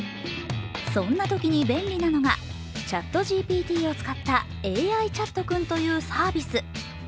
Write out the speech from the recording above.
そんなときに便利なのがＣｈａｔＧＰＴを使ったＡＩチャットくんというサービス。